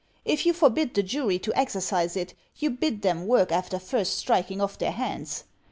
If you forbid the jury to exercise it, you bid them work after first striking off their hands.